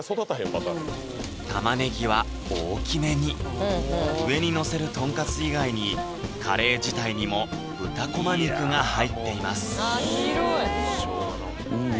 塩も入ってないタマネギは大きめに上にのせるトンカツ以外にカレー自体にも豚こま肉が入っています